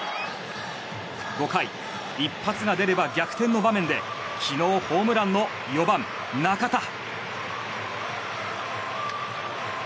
５回、一発が出れば逆転の場面で昨日、ホームランの４番、中田。